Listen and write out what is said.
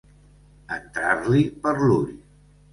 Entrar-li per l'ull.